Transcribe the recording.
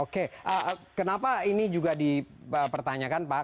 kenapa ini juga dipertanyakan pak